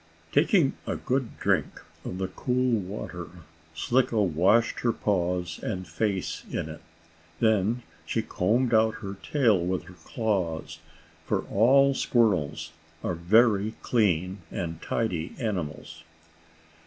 Taking a good drink of the cool water, Slicko washed her paws and face in it. Then she combed out her tail with her claws, for all squirrels are very clean and tidy animals.